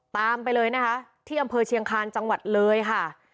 ตามไปเลยนะคะที่อำเภอเชียงคาญจังหวัดเลยค่ะ